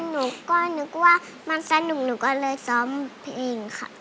หนูก็นึกว่ามันสนุกหนูก็เลยซ้อมเพลงค่ะ